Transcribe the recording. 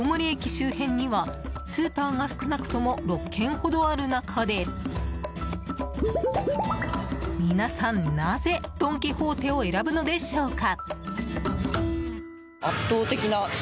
周辺にはスーパーが少なくとも６軒ほどある中で皆さん、なぜドン・キホーテを選ぶのでしょうか。